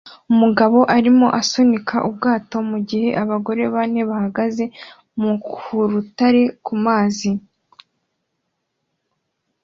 Umugabo arimo asunika ubwato mugihe abagore bane bahagaze ku rutare mu mazi